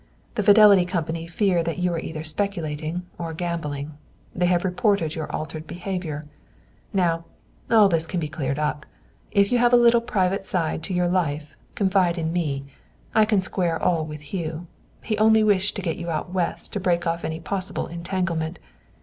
The Fidelity Company fear that you are either speculating or gambling. They have reported your altered behavior. Now, all this can be cleared up. If you have any little private side to your life, confide in me. I can square all with Hugh. He only wished to get you out West to break off any possible entanglement.